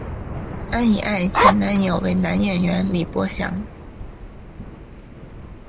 安苡爱前男友为男演员李博翔。